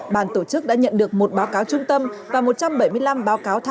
bàn tổ chức đã nhận được một báo cáo trung tâm và một trăm bảy mươi năm báo cáo tham